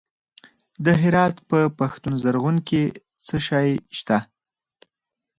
د هرات په پشتون زرغون کې څه شی شته؟